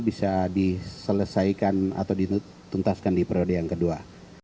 bisa diselesaikan atau dituntaskan di periode yang kedua